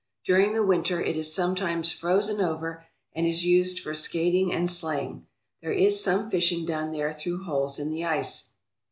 During the winter it is sometimes frozen over and is used for skating and sleighing. There is some fishing done then through holes in the ice.